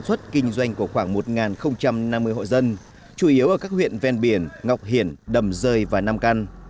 xuất kinh doanh của khoảng một năm mươi hộ dân chủ yếu ở các huyện ven biển ngọc hiển đầm rơi và nam căn